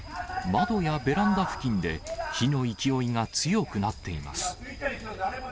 窓やベランダ付近で、火の勢いが強くなっています。